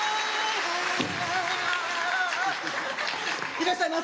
いらっしゃいませ。